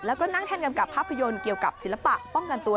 แล้วก็นั่งแท่นกำกับภาพยนตร์เกี่ยวกับศิลปะป้องกันตัว